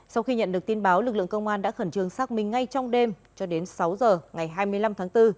sau khi nhận được tin báo lực lượng công an đã khẩn trương xác minh ngay trong đêm cho đến sáu giờ ngày hai mươi năm tháng bốn